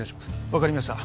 分かりました